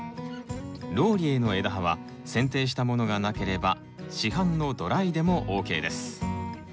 ローリエの枝葉はせんていしたものがなければ市販のドライでもＯＫです。